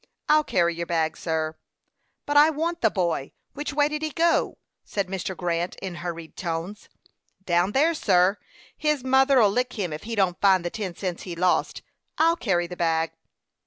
"I'll carry your bag, sir." "But I want the boy! Which way did he go?" said Mr. Grant, in hurried tones. "Down there, sir. His mother'll lick him if he don't find the ten cents he lost. I'll carry the bag."